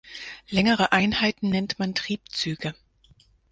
Längere Einheiten nennt man Triebzüge.